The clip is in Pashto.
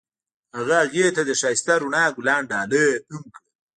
هغه هغې ته د ښایسته رڼا ګلان ډالۍ هم کړل.